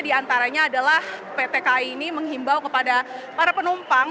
diantaranya adalah pt kai ini menghimbau kepada para penumpang